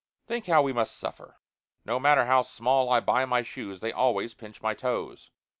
Think how we must suffer no matter how small I buy my shoes they always pinch my toes.